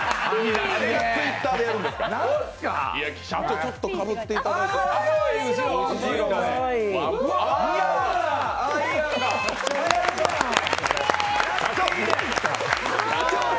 社長ちょっとかぶっていただいて社長！